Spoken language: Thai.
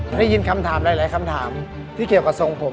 ได้ยินคำถามหลายคำถามที่เกี่ยวกับทรงผม